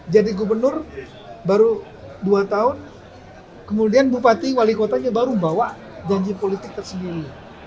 jadi gubernur baru dua tahun kemudian bupati wali kotanya baru membawa janji politik tersendiri